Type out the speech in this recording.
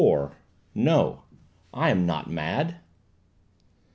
"NO! I AM NOT MAD!"